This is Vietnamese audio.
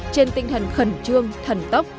trên tinh thần khẩn trương thần tốc